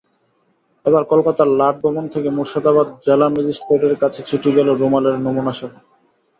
এবার কলকাতার লাট ভবন থেকে মুর্শিদাবাদ জেলা ম্যাজিস্ট্রেটের কাছে চিঠি গেল রুমালের নমুনাসহ।